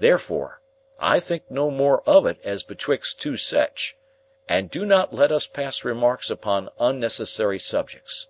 Theerfore, think no more of it as betwixt two sech, and do not let us pass remarks upon onnecessary subjects.